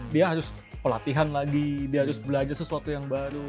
dia harus pelatihan lagi dia harus belajar sesuatu yang baru